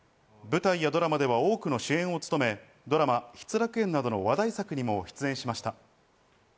舞台やドラマでは多くの主演を務め、ドラマ『失楽園』などの話題作にも出演しました。